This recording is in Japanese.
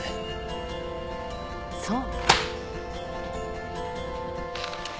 そう。